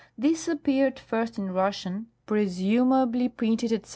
This appeared first in Russian, presumably 210 General A.